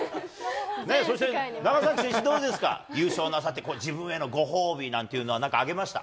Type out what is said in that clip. そして、長崎選手、どうですか、優勝なさって、自分へのご褒美なんていうのは、なんかあげました？